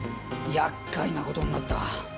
厄介な事になった。